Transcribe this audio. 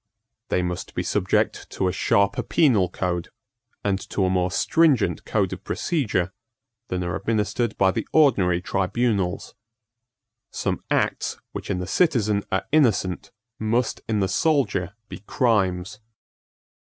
They must be subject to a sharper penal code, and to a more stringent code of procedure, than are administered by the ordinary tribunals. Some acts which in the citizen are innocent must in the soldier be crimes.